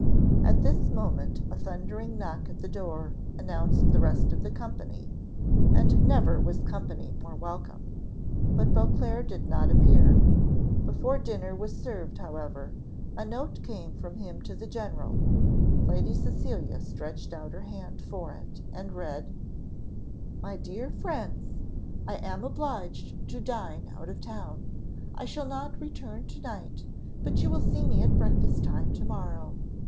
At this moment a thundering knock at the door announced the rest of the company, and never was company more welcome. But Beauclerc did not appear. Before dinner was served, however, a note came from him to the general. Lady Cecilia stretched out her hand for it, and read, "MY DEAR FRIENDS, I am obliged to dine out of town. I shall not return to night, but you will see me at breakfast time to morrow.